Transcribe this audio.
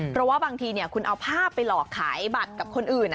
เพราะว่าบางทีคุณเอาภาพไปหลอกขายบัตรกับคนอื่น